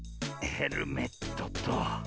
ヘルメットと。